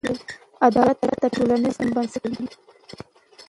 عدالت د ټولنیز نظم بنسټ جوړوي.